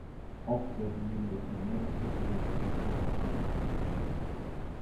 Oft werden neben der Primär- und Sekundärliteratur auch Fanartikel verkauft.